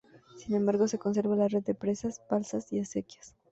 Sin embargo se conservan la red de presas, balsas y acequias.